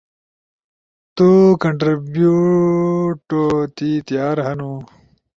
تُو کانٹریبیٹو تی تیار ہنُو؟